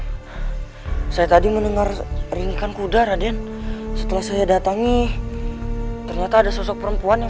hai saya tadi mendengar ringkan kuda raden setelah saya datang nih ternyata ada sosok perempuan yang